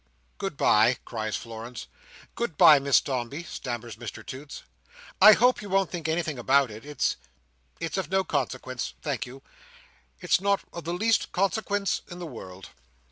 "Good bye!" cries Florence. "Good bye, Miss Dombey!" stammers Mr Toots. "I hope you won't think anything about it. It's—it's of no consequence, thank you. It's not of the least consequence in the world."